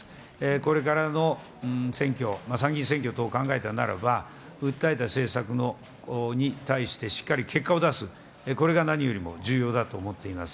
これからの選挙、参議院選挙等考えたならば、訴えた政策に対してしっかり結果を出す、これが何よりも重要だと思っています。